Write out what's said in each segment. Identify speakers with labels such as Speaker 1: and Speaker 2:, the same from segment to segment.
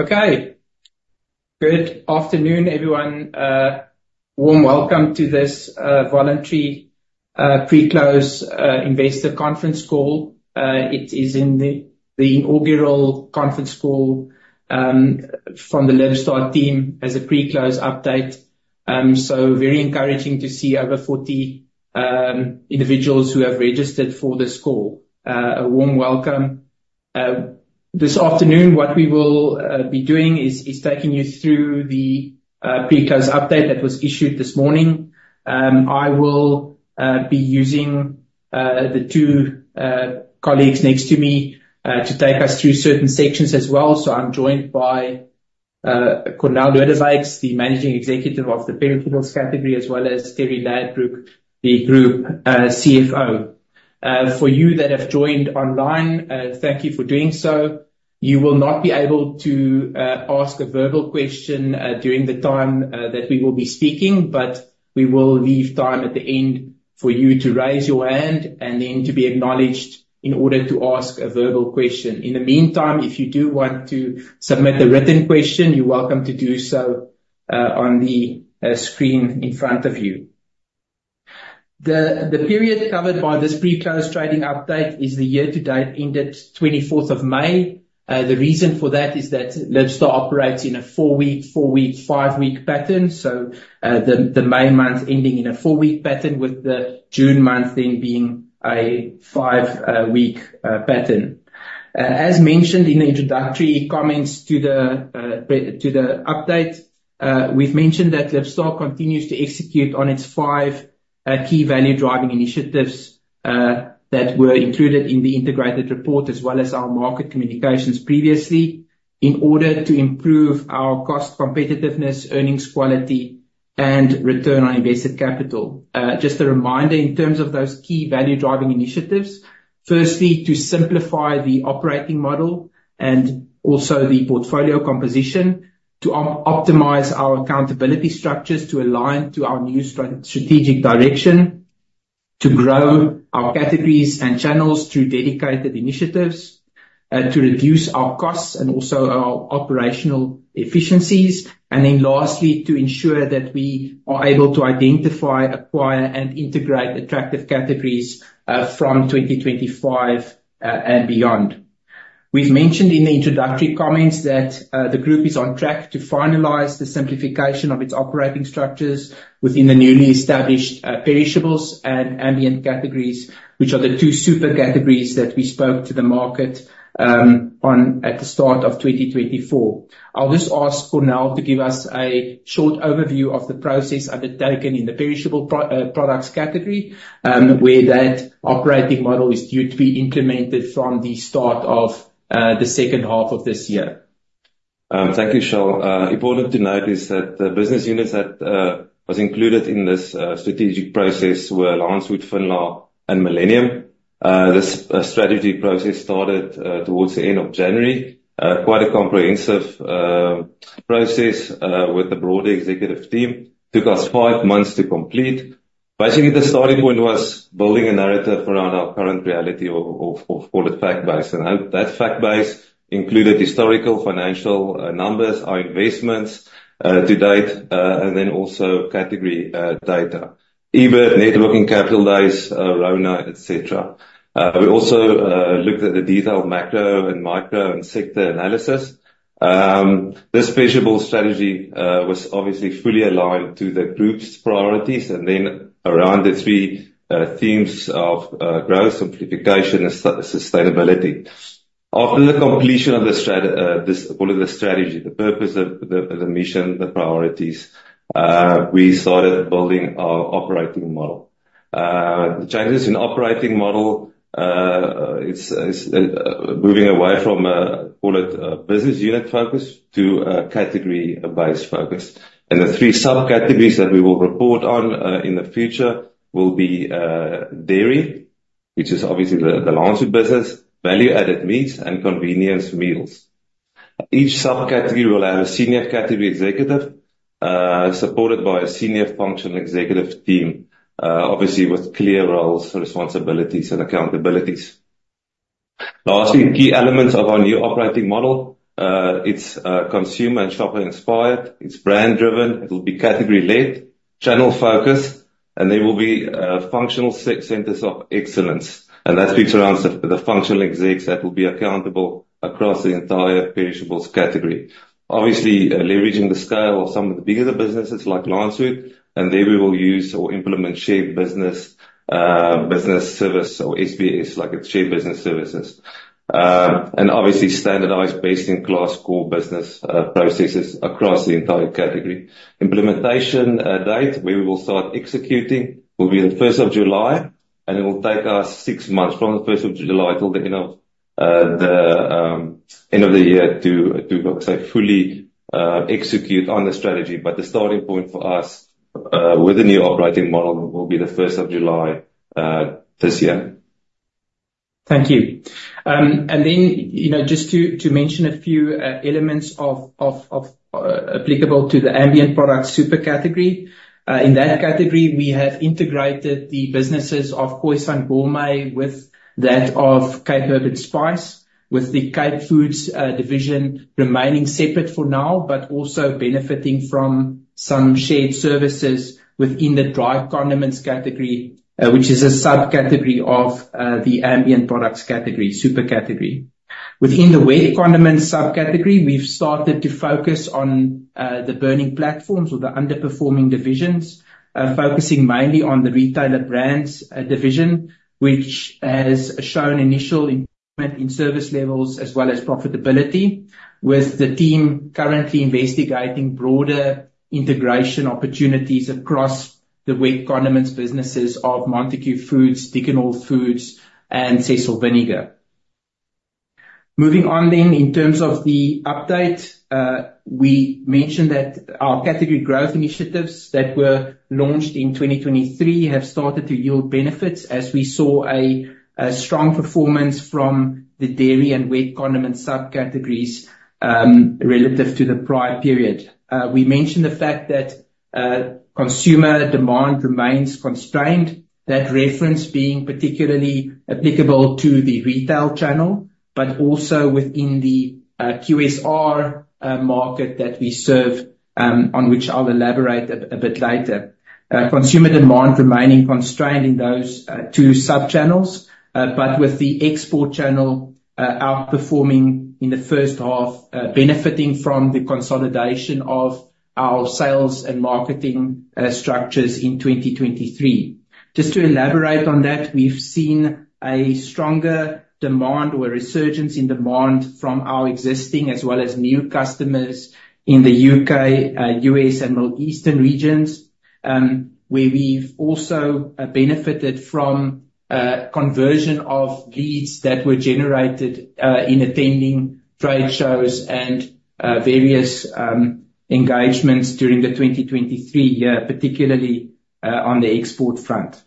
Speaker 1: Okay. Good afternoon, everyone. Warm welcome to this, voluntary pre-close investor conference call. It is in the inaugural conference call from the Libstar team as a pre-close update. Very encouraging to see over 40 individuals who have registered for this call. A warm welcome. This afternoon, what we will be doing is taking you through the pre-close update that was issued this morning. I will be using the two colleagues next to me to take us through certain sections as well. I'm joined by Cornél Lodewyks, the Managing Executive of the Perishables category, as well as Terri Ladbrooke, the Group CFO. For you that have joined online, thank you for doing so. You will not be able to ask a verbal question during the time that we will be speaking, but we will leave time at the end for you to raise your hand and then to be acknowledged in order to ask a verbal question. In the meantime, if you do want to submit a written question, you're welcome to do so on the screen in front of you. The period covered by this pre-close trading update is the year to date ended 24th of May. The reason for that is that Libstar operates in a four week, four week, five week pattern. The May month ending in a four week pattern, with the June month then being a five week pattern. As mentioned in the introductory comments to the update, we've mentioned that Libstar continues to execute on its five key value-driving initiatives that were included in the integrated report, as well as our market communications previously, in order to improve our cost competitiveness, earnings quality and return on invested capital. Just a reminder in terms of those key value-driving initiatives, firstly, to simplify the operating model and also the portfolio composition. To optimize our accountability structures to align to our new strategic direction. To grow our categories and channels through dedicated initiatives. To reduce our costs and also our operational efficiencies. Lastly, to ensure that we are able to identify, acquire, and integrate attractive categories from 2025 and beyond. We've mentioned in the introductory comments that the group is on track to finalize the simplification of its operating structures within the newly established Perishables and Ambient categories, which are the two super categories that we spoke to the market on at the start of 2024. I'll just ask Cornél to give us a short overview of the process undertaken in the Perishable Products Category, where that operating model is due to be implemented from the start of the second half of this year.
Speaker 2: Thank you, Charl. Important to note is that the business units that was included in this strategic process were Lancewood, Finlar Fine Foods, and Millennium Foods. The strategy process started towards the end of January. It took us five months to complete. The starting point was building a narrative around our current reality or call it fact base. That fact base included historical financial numbers, our investments to date, and then also category data, EBIT, net working capital days, RONA, et cetera. We also looked at the detailed macro and micro and sector analysis. This perishable strategy was fully aligned to the group's priorities, and then around the three themes of growth, simplification and sustainability. After the completion of the strategy, the purpose of the mission, the priorities, we started building our operating model. The changes in operating model, it's moving away from a, call it, business unit focus to a category-based focus. The three subcategories that we will report on in the future will be dairy, which is obviously the Lancewood business, value-added meats, and convenience meals. Each subcategory will have a senior category executive, supported by a senior functional executive team, with clear roles, responsibilities and accountabilities. Lastly, key elements of our new operating model. It's consumer and shopping inspired, it's brand driven, it will be category-led, channel focused, and there will be functional centers of excellence. That speaks around the functional execs that will be accountable across the entire perishables category. Leveraging the scale of some of the bigger businesses like Lancewood, and there we will use or implement shared business service or SBS, like it's shared business services. Standardized best-in-class core business processes across the entire category. The implementation date where we will start executing will be the first of July, and it will take us six months from the first of July till the end of the year to, say, fully execute on the strategy. The starting point for us with the new operating model will be the first of July this year.
Speaker 1: Thank you. Just to mention a few elements applicable to the ambient product super category. In that category, we have integrated the businesses of Khoisan Gourmet with that of Cape Herb & Spice, with the Cape Foods division remaining separate for now, but also benefiting from some shared services within the dry condiments category, which is a subcategory of the ambient products category, super category. Within the wet condiments subcategory, we've started to focus on the burning platforms or the underperforming divisions, focusing mainly on the retailer brands division, which has shown initial improvement in service levels as well as profitability with the team currently investigating broader integration opportunities across the wet condiments businesses of Montagu Foods, Dickon Hall Foods, and Cecil Vinegar Works. Moving on, in terms of the update, we mentioned that our category growth initiatives that were launched in 2023 have started to yield benefits as we saw a strong performance from the dairy and wet condiment subcategories, relative to the prior period. We mentioned the fact that consumer demand remains constrained, that reference being particularly applicable to the retail channel, but also within the QSR market that we serve, on which I'll elaborate a bit later. Consumer demand remaining constrained in those two subchannels, but with the export channel outperforming in the first half, benefiting from the consolidation of our sales and marketing structures in 2023. Just to elaborate on that, we've seen a stronger demand or a resurgence in demand from our existing as well as new customers in the U.K., U.S., and Middle Eastern regions, where we've also benefited from conversion of leads that were generated in attending trade shows and various engagements during the 2023 year, particularly on the export front.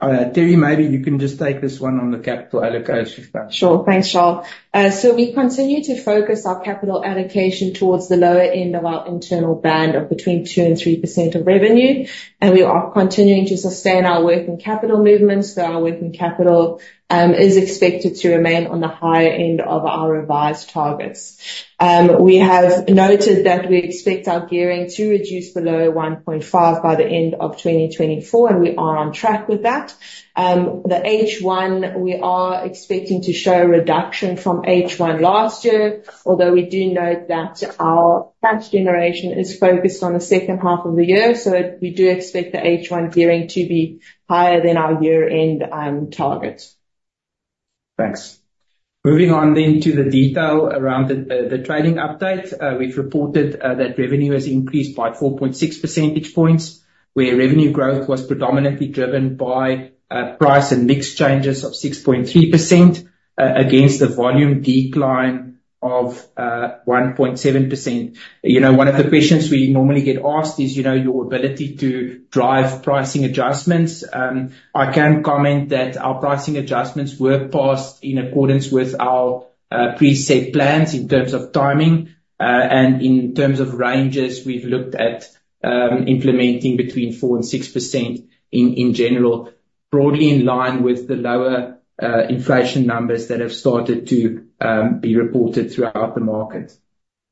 Speaker 1: Terri, maybe you can just take this one on the capital allocation.
Speaker 3: Sure. Thanks, Charl. We continue to focus our capital allocation towards the lower end of our internal band of between 2% and 3% of revenue, and we are continuing to sustain our working capital movements, our working capital is expected to remain on the higher end of our revised targets. We have noted that we expect our gearing to reduce below 1.5 by the end of 2024, and we are on track with that. The H1, we are expecting to show a reduction from H1 last year, although we do note that our cash generation is focused on the second half of the year. We do expect the H1 gearing to be higher than our year-end target.
Speaker 1: Thanks. Moving on to the detail around the trading update. We've reported that revenue has increased by 4.6 percentage points, where revenue growth was predominantly driven by price and mix changes of 6.3% against the volume decline of 1.7%. One of the questions we normally get asked is your ability to drive pricing adjustments. I can comment that our pricing adjustments were passed in accordance with our preset plans in terms of timing. In terms of ranges, we've looked at implementing between 4% and 6% in general, broadly in line with the lower inflation numbers that have started to be reported throughout the market.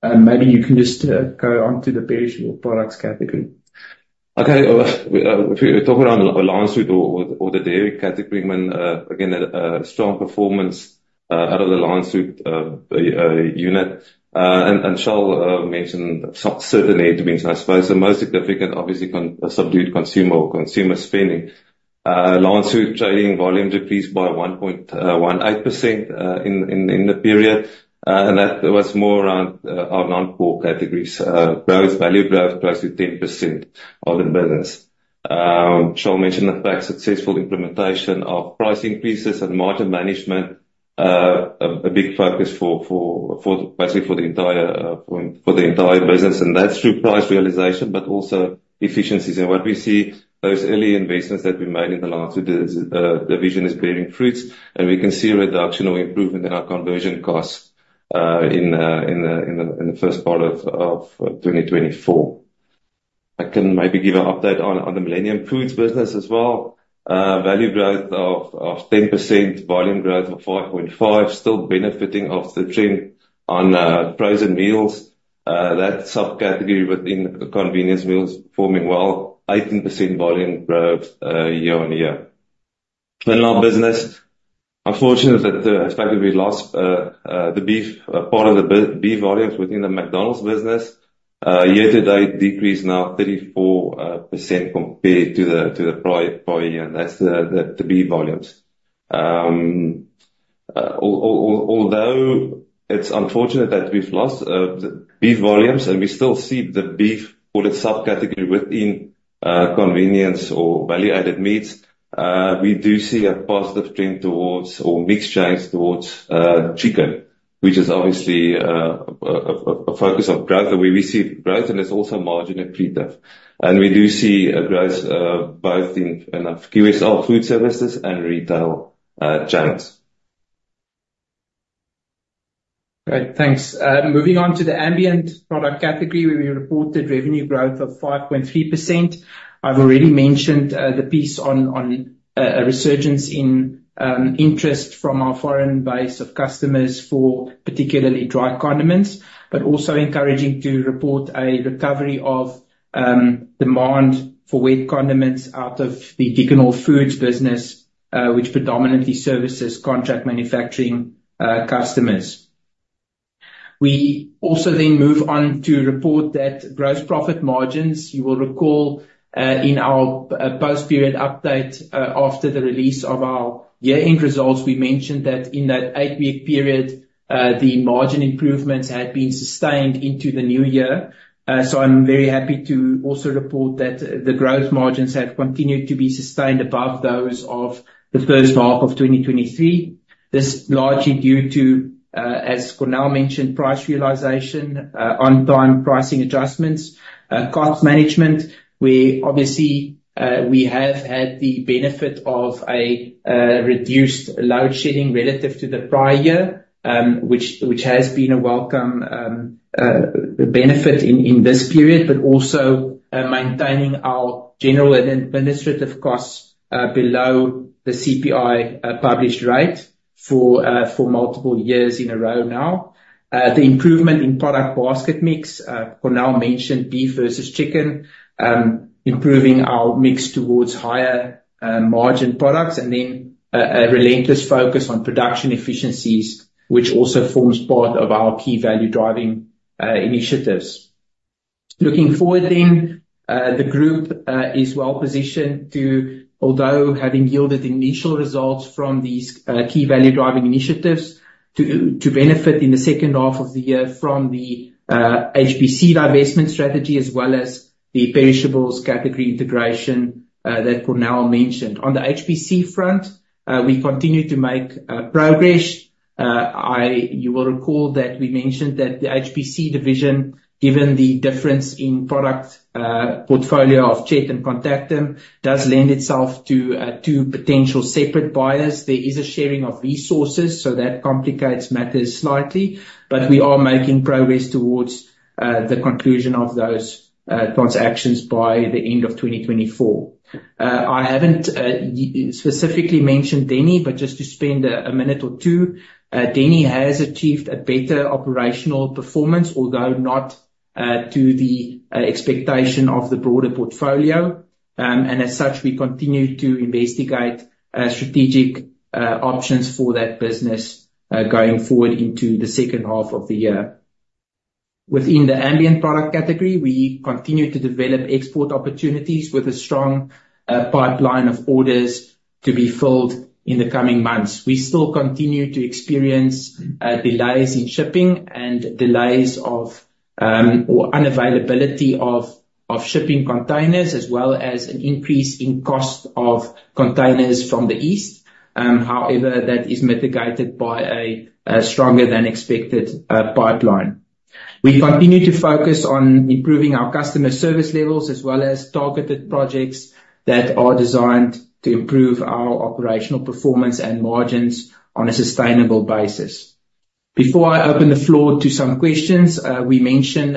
Speaker 1: Maybe you can just go on to the perishable products category.
Speaker 2: Okay. If we talk around the Lancewood dairy category, again, a strong performance out of the Lancewood unit. Charl mentioned certain headwinds, I suppose the most significant, obviously subdued consumer or consumer spending. Lancewood trading volume decreased by 1.18% in the period. That was more around our non-core categories. Value growth close to 10% of the business. Charl mentioned the fact successful implementation of price increases and margin management, a big focus basically for the entire business, and that's through price realization, but also efficiencies. What we see, those early investments that we made in the Lancewood division is bearing fruits, and we can see a reduction or improvement in our conversion costs in the first part of 2024. I can maybe give an update on the Millennium Foods business as well. Value growth of 10%, volume growth of 5.5%, still benefiting off the trend on frozen meals. That subcategory within convenience meals performing well, 18% volume growth year-over-year. Our business, unfortunate that effectively we lost the beef part of the beef volumes within the McDonald's business. Year to date decrease now 34% compared to the prior year, and that's the beef volumes. Although it's unfortunate that we've lost the beef volumes and we still see the beef or the subcategory within convenience or value-added meats, we do see a positive trend towards or mix change towards chicken, which is obviously a focus of growth, where we see growth and there's also margin accretive. We do see a growth both in QSR food services and retail channels.
Speaker 1: Great, thanks. Moving on to the ambient product category, where we reported revenue growth of 5.3%. I've already mentioned the piece on a resurgence in interest from our foreign base of customers for particularly dry condiments, but also encouraging to report a recovery of demand for wet condiments out of the Dickon Hall Foods business, which predominantly services contract manufacturing customers. We also then move on to report that gross profit margins, you will recall, in our post-period update, after the release of our year-end results, we mentioned that in that eight-week period, the margin improvements had been sustained into the new year. I'm very happy to also report that the growth margins have continued to be sustained above those of the first half of 2023. This largely due to, as Cornél mentioned, price realization, on time pricing adjustments, cost management, where obviously, we have had the benefit of a reduced load shedding relative to the prior year, which has been a welcome benefit in this period. Also maintaining our general and administrative costs below the CPI published rate for multiple years in a row now. The improvement in product basket mix, Cornél mentioned beef versus chicken, improving our mix towards higher margin products, and then a relentless focus on production efficiencies, which also forms part of our key value-driving initiatives. Looking forward then, the group is well-positioned to, although having yielded initial results from these key value-driving initiatives, to benefit in the second half of the year from the HPC divestment strategy as well as the perishables category integration that Cornél mentioned. On the HPC front, we continue to make progress. You will recall that we mentioned that the HPC division, given the difference in product portfolio of Chet and Contactim, does lend itself to two potential separate buyers. There is a sharing of resources, so that complicates matters slightly, but we are making progress towards the conclusion of those transactions by the end of 2024. I haven't specifically mentioned Denny, but just to spend a minute or two. Denny has achieved a better operational performance, although not to the expectation of the broader portfolio. As such, we continue to investigate strategic options for that business going forward into the second half of the year. Within the ambient product category, we continue to develop export opportunities with a strong pipeline of orders to be filled in the coming months. We still continue to experience delays in shipping and delays of, or unavailability of shipping containers, as well as an increase in cost of containers from the East. However, that is mitigated by a stronger than expected pipeline. We continue to focus on improving our customer service levels as well as targeted projects that are designed to improve our operational performance and margins on a sustainable basis. Before I open the floor to some questions, we mentioned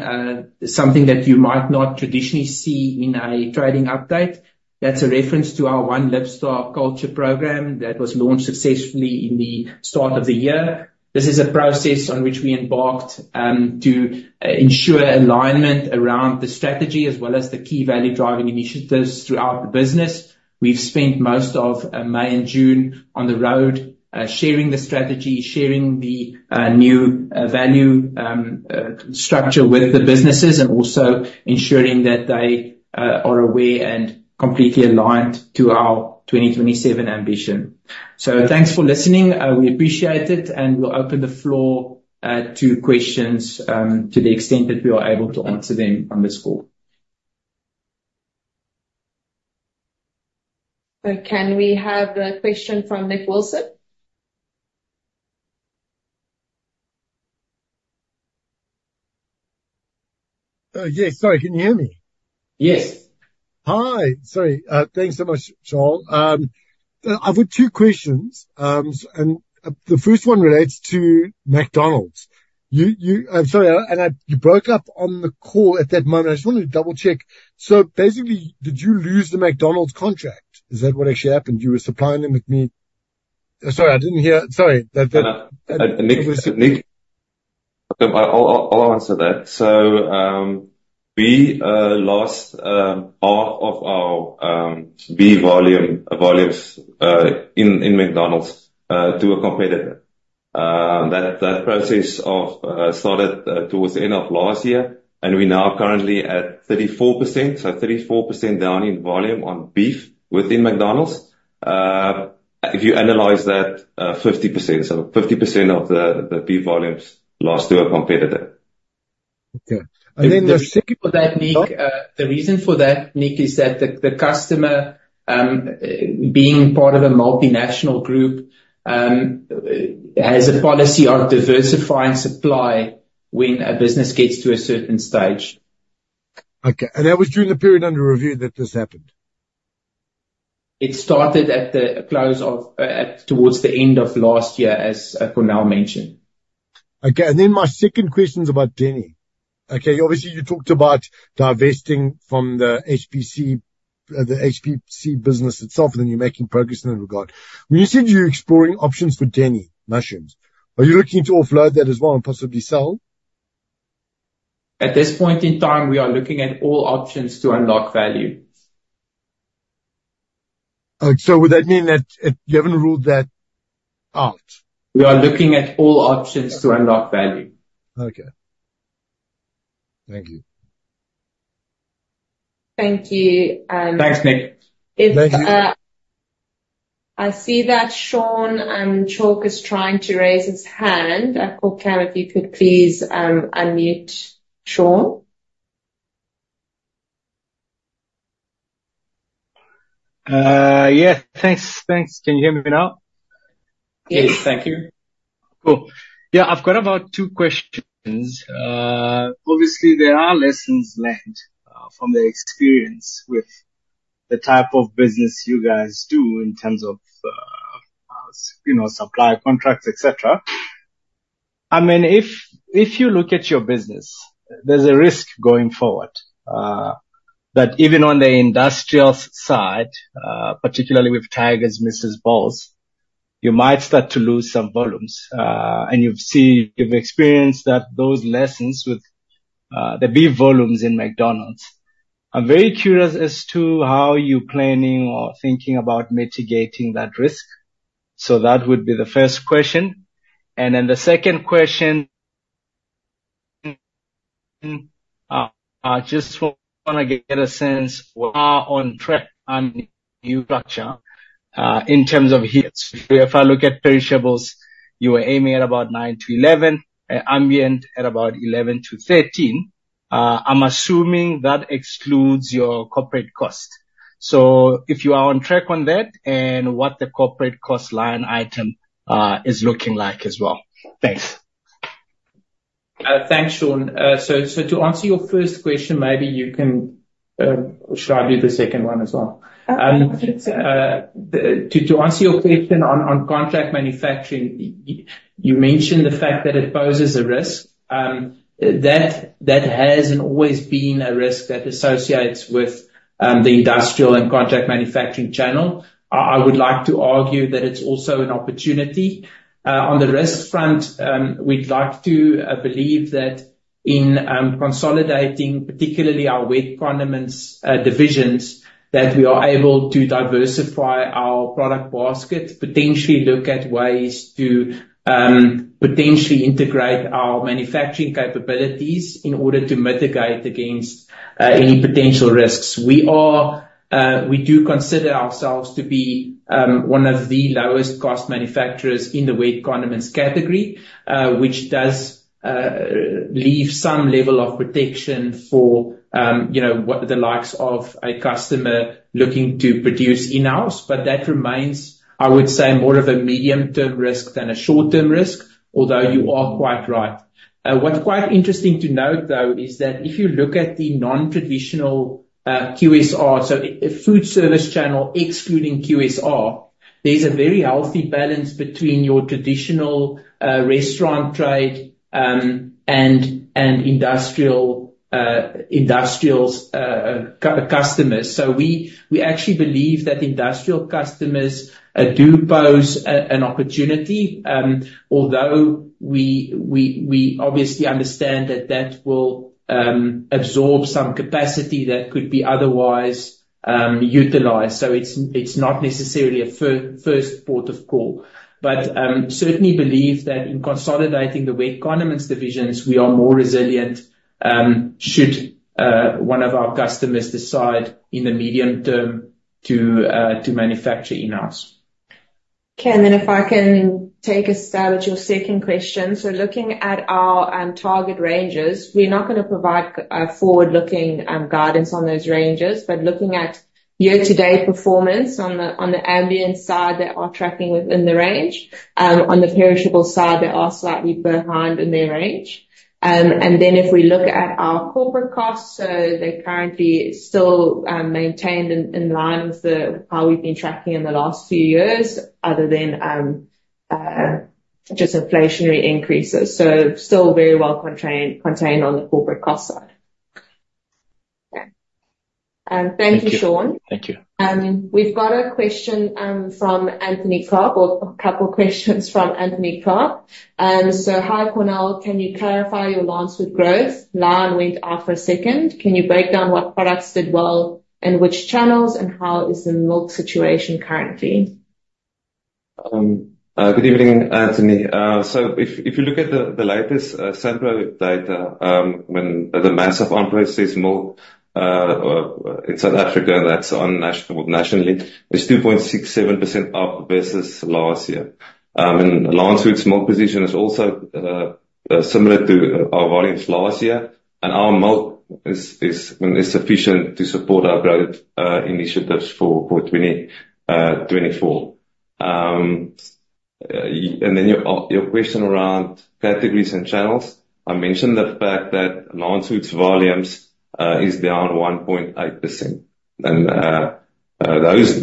Speaker 1: something that you might not traditionally see in a trading update. That's a reference to our One Libstar culture program that was launched successfully in the start of the year. This is a process on which we embarked, to ensure alignment around the strategy as well as the key value-driving initiatives throughout the business. We've spent most of May and June on the road, sharing the strategy, sharing the new value structure with the businesses, and also ensuring that they are aware and completely aligned to our 2027 ambition. Thanks for listening. We appreciate it, and we'll open the floor to questions, to the extent that we are able to answer them on this call.
Speaker 3: Can we have a question from Nick Wilson?
Speaker 4: Yes. Sorry, can you hear me?
Speaker 1: Yes.
Speaker 4: Hi. Sorry. Thanks so much, Charl. I've got two questions. The first one relates to McDonald's. I'm sorry, you broke up on the call at that moment. I just wanted to double-check. Basically, did you lose the McDonald's contract? Is that what actually happened? You were supplying them with Sorry, I didn't hear.
Speaker 2: Nick, I'll answer that. We lost half of our beef volumes in McDonald's to a competitor. That process started towards the end of last year. We're now currently at 34%. 34% down in volume on beef within McDonald's. If you analyze that, 50%. 50% of the beef volumes lost to a competitor.
Speaker 4: Okay. Then the second-
Speaker 1: The reason for that, Nick, is that the customer, being part of a multinational group, has a policy of diversifying supply when a business gets to a certain stage.
Speaker 4: Okay. That was during the period under review that this happened?
Speaker 1: It started towards the end of last year, as Cornél mentioned.
Speaker 4: Okay. My second question's about Denny. Okay. Obviously, you talked about divesting from the HPC business itself, and then you're making progress in that regard. When you said you're exploring options for Denny Mushrooms, are you looking to offload that as well and possibly sell?
Speaker 1: At this point in time, we are looking at all options to unlock value.
Speaker 4: Okay. Would that mean that you haven't ruled that out?
Speaker 1: We are looking at all options to unlock value.
Speaker 4: Okay. Thank you.
Speaker 3: Thank you.
Speaker 1: Thanks, Nick.
Speaker 3: If.
Speaker 4: Thank you.
Speaker 3: I see that Sean Chalke is trying to raise his hand. Call care, if you could please unmute Sean.
Speaker 5: Yeah. Thanks. Can you hear me now?
Speaker 1: Yes.
Speaker 3: Yes.
Speaker 1: Thank you.
Speaker 5: Cool. Yeah, I've got about two questions. Obviously, there are lessons learned from the experience with the type of business you guys do in terms of supply contracts, et cetera. If you look at your business, there's a risk going forward, that even on the industrial side, particularly with Tiger as Mrs. Ball's, you might start to lose some volumes. You've experienced those lessons with the beef volumes in McDonald's. I'm very curious as to how you're planning or thinking about mitigating that risk. That would be the first question. Then the second question, I just want to get a sense where on track on new structure, in terms of heads. If I look at perishables, you were aiming at about nine to 11, ambient at about 11-13. I'm assuming that excludes your corporate cost. if you are on track on that and what the corporate cost line item is looking like as well. Thanks.
Speaker 1: Thanks, Sean. To answer your first question, maybe you can Or should I do the second one as well?
Speaker 3: I think so.
Speaker 1: To answer your question on contract manufacturing, you mentioned the fact that it poses a risk. That hasn't always been a risk that associates with the industrial and contract manufacturing channel. I would like to argue that it's also an opportunity. On the risk front, we'd like to believe that in consolidating, particularly our wet condiments divisions, that we are able to diversify our product basket, potentially look at ways to potentially integrate our manufacturing capabilities in order to mitigate against any potential risks. We do consider ourselves to be one of the lowest cost manufacturers in the wet condiments category, which does leave some level of protection for the likes of a customer looking to produce in-house. That remains, I would say, more of a medium-term risk than a short-term risk, although you are quite right. What's quite interesting to note, though, is that if you look at the non-traditional QSR, so a food service channel excluding QSR, there's a very healthy balance between your traditional restaurant trade and industrial customers. We actually believe that industrial customers do pose an opportunity, although we obviously understand that that will absorb some capacity that could be otherwise utilized. It's not necessarily a first port of call. Certainly believe that in consolidating the wet condiments divisions, we are more resilient should one of our customers decide in the medium term to manufacture in-house.
Speaker 3: Okay. If I can take a stab at your second question. Looking at our target ranges, we're not going to provide forward-looking guidance on those ranges. Looking at year-to-date performance on the ambient side, they are tracking within the range. On the perishable side, they are slightly behind in their range. If we look at our corporate costs, they're currently still maintained in line with how we've been tracking in the last few years, other than just inflationary increases. Still very well contained on the corporate cost side. Thank you, Sean.
Speaker 5: Thank you.
Speaker 3: We've got a question from Anthony Clark, or a couple of questions from Anthony Clark. Hi, Cornél. Can you clarify your Lancewood growth? Line went off for a second. Can you break down what products did well in which channels, and how is the milk situation currently?
Speaker 2: Good evening, Anthony. If you look at the latest SAMPRO data, when the mass of on-premise milk in South Africa, that's nationally, is 2.67% up versus last year. Lancewood's milk position is also similar to our volumes last year. Our milk is sufficient to support our growth initiatives for 2024. Your question around categories and channels. I mentioned the fact that Lancewood's volumes is down 1.8% and those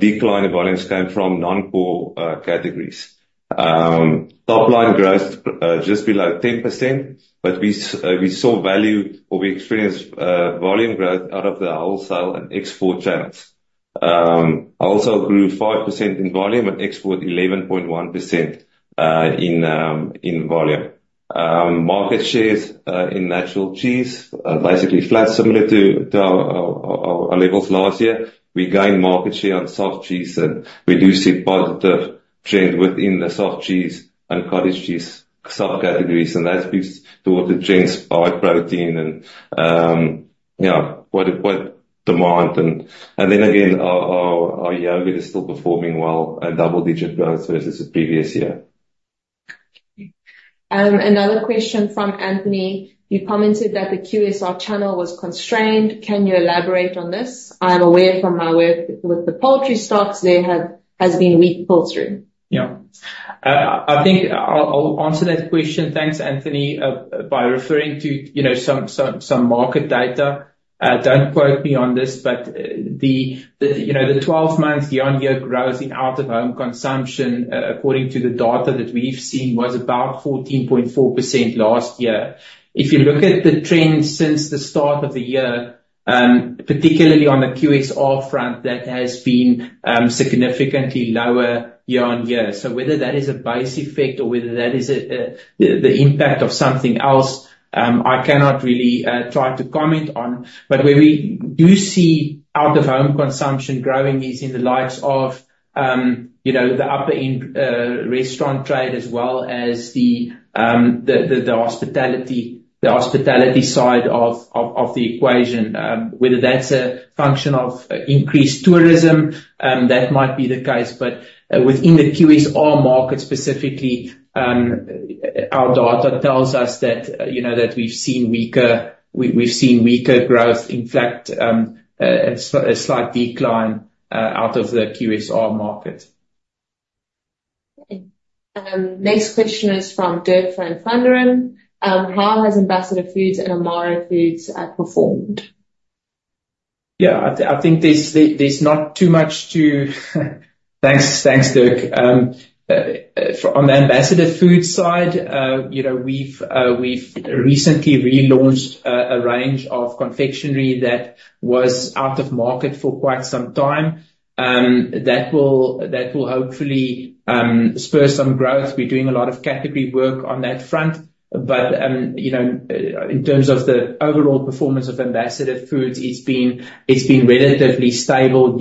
Speaker 2: decline in volumes came from non-core categories. Top line growth just below 10%, but we saw value or we experienced volume growth out of the wholesale and export channels. Wholesale grew 5% in volume and export 11.1% in volume. Market shares in natural cheese are basically flat similar to our levels last year. We gained market share on soft cheese, and we do see positive trend within the soft cheese and cottage cheese subcategories. That's because toward the trends, high protein and what demand. Our yogurt is still performing well at double-digit growth versus the previous year.
Speaker 3: Another question from Anthony. You commented that the QSR channel was constrained. Can you elaborate on this? I'm aware from my work with the poultry stocks there has been weak pull-through.
Speaker 1: I think I'll answer that question, thanks, Anthony. By referring to some market data, don't quote me on this, but the 12 months year-on-year growth in out-of-home consumption, according to the data that we've seen, was about 14.4% last year. If you look at the trend since the start of the year, particularly on the QSR front, that has been significantly lower year-on-year. Whether that is a base effect or whether that is the impact of something else, I cannot really try to comment on. Where we do see out-of-home consumption growing is in the likes of the upper-end restaurant trade, as well as the hospitality side of the equation. Whether that's a function of increased tourism, that might be the case. Within the QSR market specifically, our data tells us that we've seen weaker growth, in fact, a slight decline out of the QSR market.
Speaker 3: Next question is from Dirk van Vlaanderen. How has Ambassador Foods and Amaro Foods performed?
Speaker 1: Thanks, Dirk. On the Ambassador Foods side, we've recently relaunched a range of confectionery that was out of market for quite some time. That will hopefully spur some growth. We're doing a lot of category work on that front. In terms of the overall performance of Ambassador Foods, it's been relatively stable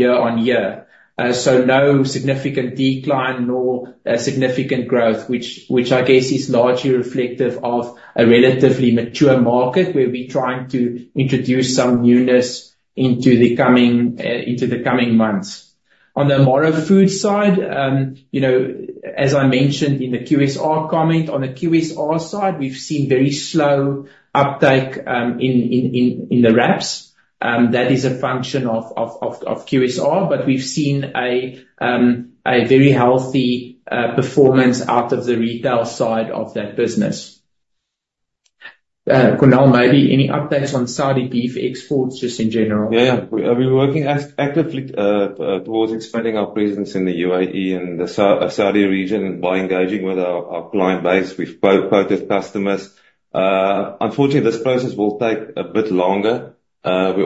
Speaker 1: year-on-year. No significant decline nor significant growth, which I guess is largely reflective of a relatively mature market where we're trying to introduce some newness into the coming months. On the Amaro Foods side, as I mentioned in the QSR comment, on the QSR side, we've seen very slow uptake in the wraps. That is a function of QSR, but we've seen a very healthy performance out of the retail side of that business. Cornél, maybe any updates on Saudi beef exports just in general?
Speaker 2: We're working actively towards expanding our presence in the UAE and the Saudi region by engaging with our client base. We've quoted customers. Unfortunately, this process will take a bit longer. There's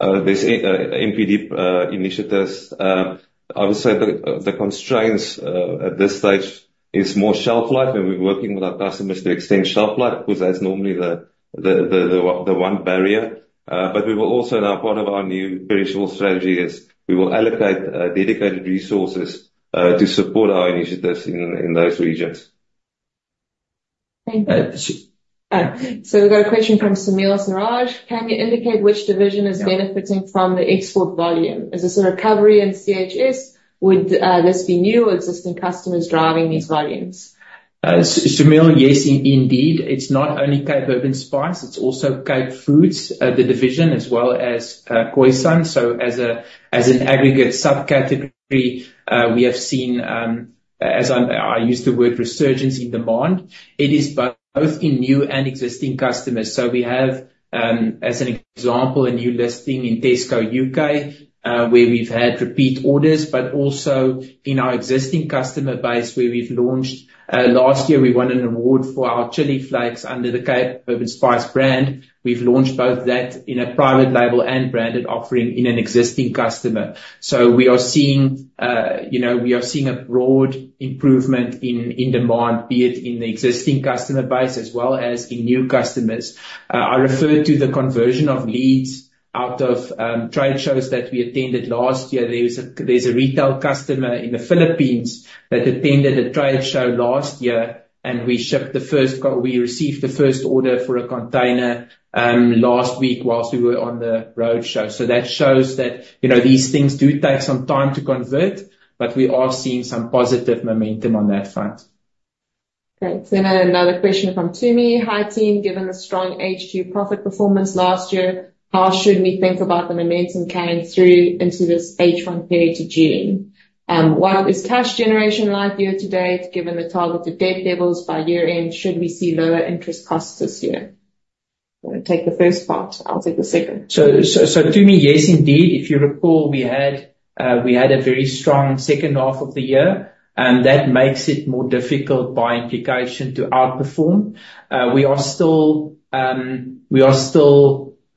Speaker 2: NPD initiatives. I would say the constraints at this stage is more shelf life, and we're working with our customers to extend shelf life because that's normally the one barrier. We will also now, part of our new financial strategy is we will allocate dedicated resources to support our initiatives in those regions.
Speaker 3: Thank you. We've got a question from Semil Siraj. Can you indicate which division is benefiting from the export volume? Is this a recovery in CHS? Would this be new or existing customers driving these volumes?
Speaker 1: Semil, yes, indeed. It's not only Cape Herb & Spice, it's also Cape Foods, the division, as well as Khoisan. As an aggregate subcategory, we have seen, as I use the word resurgence in demand. It is both in new and existing customers. We have, as an example, a new listing in Tesco U.K., where we've had repeat orders, but also in our existing customer base where we've launched. Last year, we won an award for our chili flakes under the Cape Herb & Spice brand. We've launched both that in a private label and branded offering in an existing customer. We are seeing a broad improvement in demand, be it in the existing customer base as well as in new customers. I referred to the conversion of leads out of trade shows that we attended last year. There's a retail customer in the Philippines that attended a trade show last year, and we received the first order for a container last week whilst we were on the roadshow. That shows that these things do take some time to convert, but we are seeing some positive momentum on that front.
Speaker 3: Great. Another question from Tumi. "Hi, team. Given the strong H2 profit performance last year, how should we think about the momentum carrying through into this H1 period to June? What is cash generation like year to date given the target to debt levels by year-end? Should we see lower interest costs this year?" You want to take the first part, I'll take the second.
Speaker 1: Tumi, yes, indeed. If you recall, we had a very strong second half of the year. That makes it more difficult by implication to outperform. We are still aiming,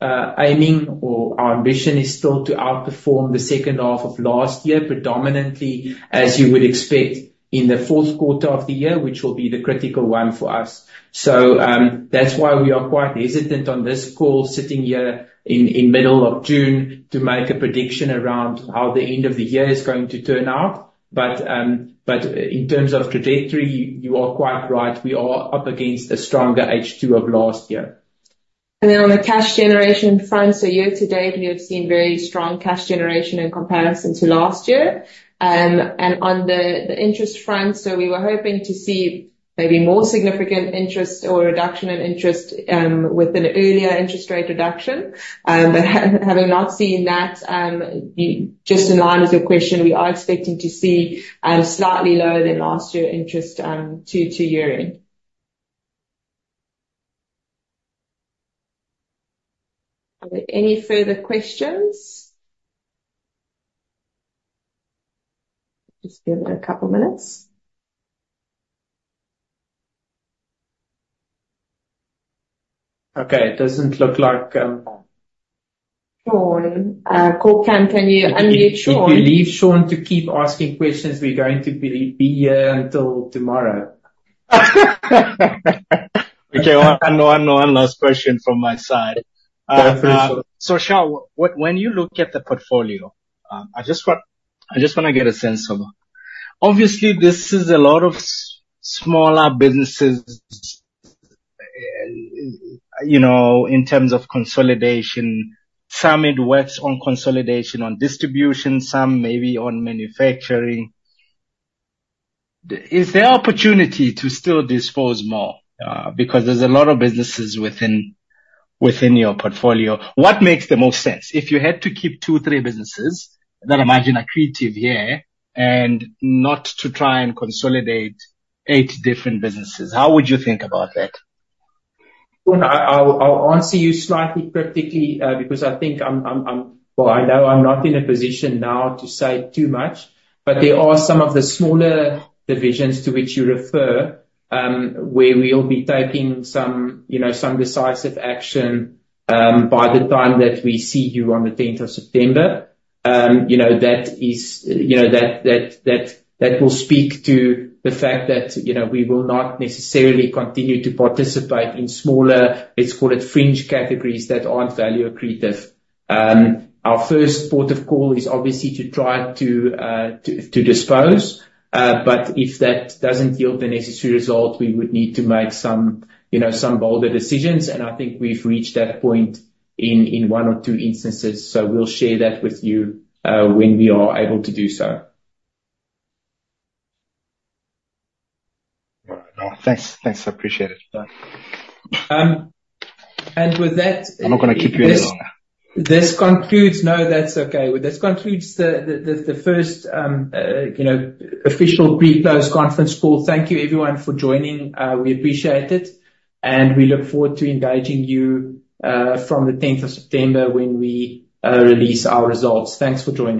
Speaker 1: or our ambition is still to outperform the second half of last year, predominantly, as you would expect, in the fourth quarter of the year, which will be the critical one for us. That's why we are quite hesitant on this call, sitting here in middle of June, to make a prediction around how the end of the year is going to turn out. In terms of trajectory, you are quite right. We are up against a stronger H2 of last year.
Speaker 3: On the cash generation front. Year to date, we have seen very strong cash generation in comparison to last year. On the interest front, we were hoping to see maybe more significant interest or reduction in interest, with an earlier interest rate reduction. Having not seen that, just in line with your question, we are expecting to see slightly lower than last year interest to year-end. Are there any further questions? Just give it a couple minutes.
Speaker 1: Okay. It doesn't look like.
Speaker 3: Sean. Call cam, can you unmute Sean?
Speaker 1: If we leave Sean to keep asking questions, we're going to be here until tomorrow.
Speaker 5: Okay. One last question from my side.
Speaker 1: Go for it, Sean.
Speaker 5: Charl, when you look at the portfolio, I just want to get a sense of Obviously, this is a lot of smaller businesses, in terms of consolidation. Some it works on consolidation, on distribution, some maybe on manufacturing. Is there opportunity to still dispose more? Because there's a lot of businesses within your portfolio. What makes the most sense? If you had to keep two or three businesses that are margin accretive, yeah, and not to try and consolidate eight different businesses, how would you think about that?
Speaker 1: Sean, I'll answer you slightly cryptically, because I think, well, I know I'm not in a position now to say too much. There are some of the smaller divisions to which you refer, where we'll be taking some decisive action, by the time that we see you on the tenth of September. That will speak to the fact that we will not necessarily continue to participate in smaller, let's call it fringe categories that aren't value accretive. Our first port of call is obviously to try to dispose. If that doesn't yield the necessary result, we would need to make some bolder decisions. I think we've reached that point in one or two instances. We'll share that with you when we are able to do so.
Speaker 5: All right. No. Thanks. I appreciate it.
Speaker 1: Um and with that-
Speaker 5: I'm not going to keep you any longer.
Speaker 1: This concludes the first official pre-close conference call. Thank you, everyone, for joining. We appreciate it, and we look forward to engaging you from the 10th of September when we release our results. Thanks for joining.